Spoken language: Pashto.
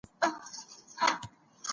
زمانه تل په بدلون کي ده.